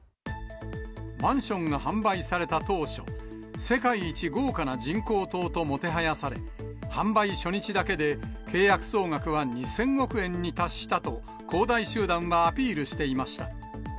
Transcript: マンションが販売された当初、世界一豪華な人工島ともてはやされ、販売初日だけで契約総額は２０００億円に達したと、恒大集団はアピールしていました。